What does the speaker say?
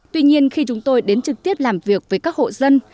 tuy nhiên khi chúng tôi đến trực tiếp làm việc với các hộ dân